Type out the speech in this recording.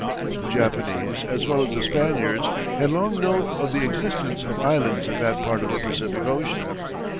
The Japanese, as well as the Spaniards, had long known of the existence of islands in that part of the Pacific Ocean.